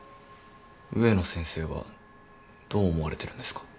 植野先生はどう思われてるんですか？